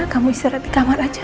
kamu istirahat di kamar aja